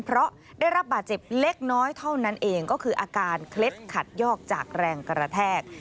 เพราะได้รับบาดเจ็บเล็กน้อยเท่านั้นเองก็คืออาการเคล็ดขัดยอกจากแรงกระแทก